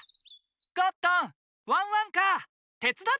ゴットンワンワンカーてつだってくれる？